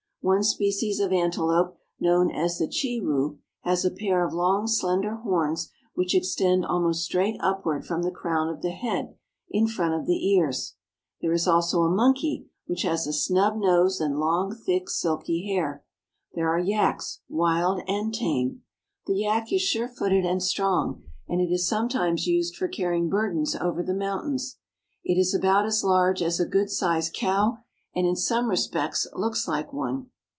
One species of antelope, known as the chiru, has a pair of long, slender horns which extend almost straight upward from the crown of the head in front of the ears. There is also a monkey, which has a snub nose and long, thick, silky hair. There are yaks, wild and tame. The yak is sure footed and strong, and it is sometimes used for carrying burdens over the moun tains. It is about as large as a good sized cow, and in some respects looks like one.